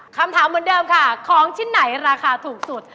คำถามเหมือนเดิมค่ะของชิ้นไหนราคาถูกสุด